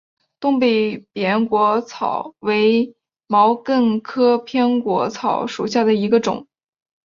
东北扁果草为毛茛科扁果草属下的一个种。